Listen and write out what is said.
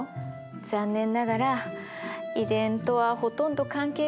残念ながら遺伝とはほとんど関係がないっていわれてるの。